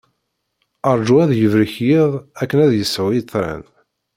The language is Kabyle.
Ṛǧu ad yibrik yiḍ akken ad d-yesɛu itran.